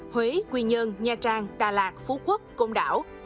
huế quy nhơn nha trang đà lạt phú quốc công đảo